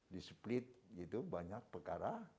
di split gitu banyak perkara